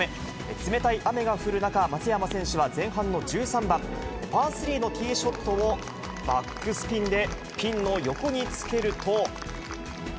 冷たい雨が降る中、松山選手は前半の１３番、パー３のティーショットを、バックスピンでピンの横につけると。